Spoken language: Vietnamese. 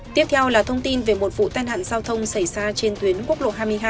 tiếp theo là thông tin về một vụ tai nạn giao thông xảy ra trên tuyến quốc lộ hai mươi hai